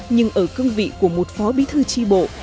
nhưng ở cương vị của một phó bí thư tri bộ